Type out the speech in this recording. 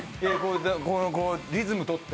リズムをとって。